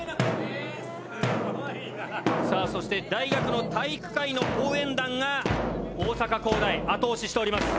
さあそして大学の体育会の応援団が大阪工大後押ししております。